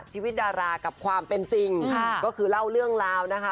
ชีวิตดารากับความเป็นจริงค่ะก็คือเล่าเรื่องราวนะคะ